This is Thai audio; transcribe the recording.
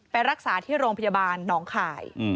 ไปรักษาที่โรงพยาบาลหนองข่าย